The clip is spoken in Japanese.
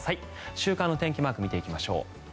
週間の天気マークを見ていきましょう。